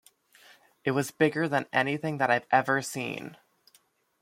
It was bigger than anything that I've ever seen.